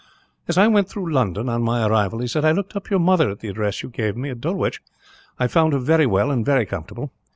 "As I went through London, on my arrival," he said, "I looked up your mother at the address you gave me, at Dulwich. I found her very well, and very comfortable.